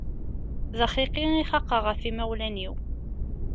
D axiqi i xaqeɣ ɣef yimawlan-iw.